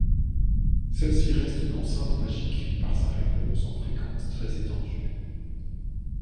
Celle-ci reste une enceinte magique par sa réponse en fréquence très étendue.